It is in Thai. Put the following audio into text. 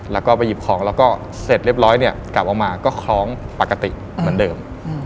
แล้วก็ไปหยิบของแล้วก็เสร็จเรียบร้อยเนี่ยกลับออกมาก็คล้องปกติเหมือนเดิม